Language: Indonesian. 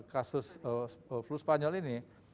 kasus flu spanyol ini